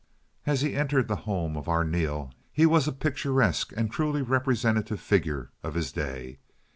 As he entered the home of Arneel he was a picturesque and truly representative figure of his day.